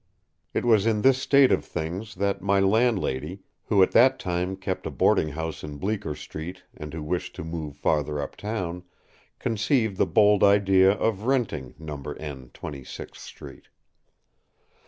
It was in this state of things that my landlady, who at that time kept a boarding house in Bleecker Street, and who wished to move farther up town, conceived the bold idea of renting No. — Twenty sixth Street.